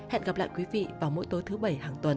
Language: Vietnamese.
hẹn gặp lại quý vị vào mỗi tối thứ bảy hàng tuần